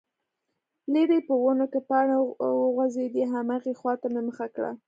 ليرې په ونو کې پاڼې وخوځېدې، هماغې خواته مې مخه کړه،